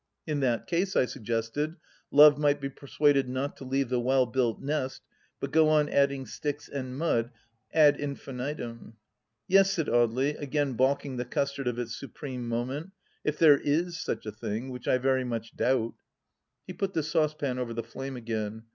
In that case, I suggested, Love might be persuaded not to "leave the well built nest," but go on adding sticks and mud ad infinitum. " Yes," said Audely, again baulking the custard of its supreme moment ;" it there is such a thing, which I very much doubt." He put the saucepan over the flame again.